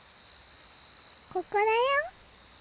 ここだよ！